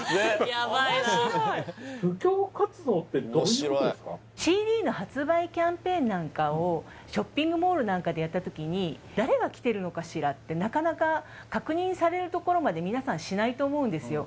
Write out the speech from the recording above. やばいな面白いＣＤの発売キャンペーンなんかをショッピングモールなんかでやった時に誰が来てるのかしらってなかなか確認されるところまでみなさんしないと思うんですよ